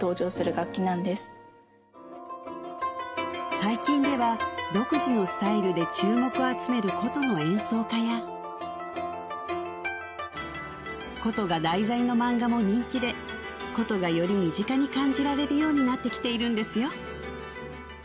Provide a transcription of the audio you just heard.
最近では独自のスタイルで注目を集める箏の演奏家や箏が題材の漫画も人気で箏がより身近に感じられるようになってきているんですよ